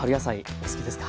お好きですか？